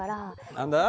何だ？